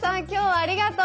ありがとう！